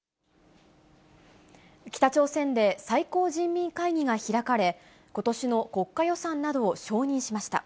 北朝鮮で、最高人民会議が開かれ、ことしの国家予算などを承認しました。